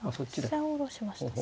飛車を下ろしましたね。